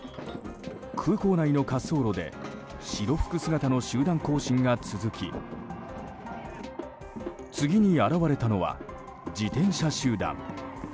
空港内の滑走路で白服姿の集団行進が続き次に現れたのは自転車集団。